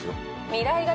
未来型